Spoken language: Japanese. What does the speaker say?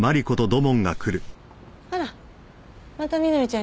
あらまた美波ちゃんに用事？